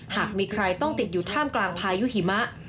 หากมีใครต้องติดอยู่ท่ามกลางพายุหิมะ